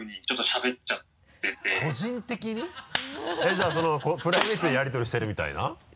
じゃあそのプライベートでやり取りしてるみたいな？